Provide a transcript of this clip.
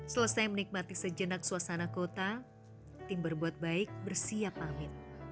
selesai menikmati sejenak suasana kota tim berbuat baik bersiap pamit